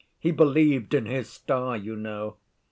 He believed in his star, you know!